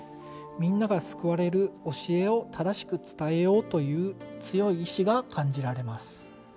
みんなが救われる教えを正しく伝えようという強い意志が感じられます。